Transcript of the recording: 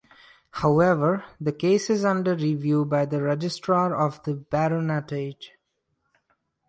However, the case is under review by the Registrar of the Baronetage.